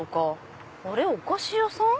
あれ⁉お菓子屋さん？